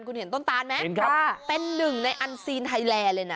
คุณเห็นต้นตาลไหมเห็นครับเป็นหนึ่งในอันซีนไทยแลร์เลยน่ะ